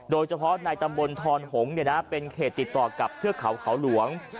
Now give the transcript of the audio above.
โดยเฉพาะในตำบลทอนหงษ์เป็นเขตติดต่อกับเทือกเขาเขาหลวง